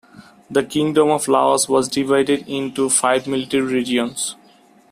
The Kingdom of Laos was divided into five military regions.